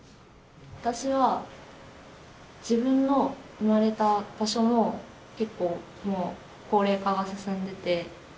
私は自分の生まれた場所も結構もう高齢化が進んでて。